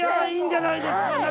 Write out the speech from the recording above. いいんじゃないですか？